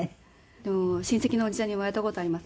でも親戚のおじちゃんに言われた事あります。